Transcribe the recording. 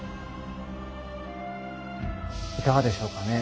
いかがでしょうかね？